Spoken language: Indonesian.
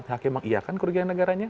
hakim mengiarkan kehukuman negaranya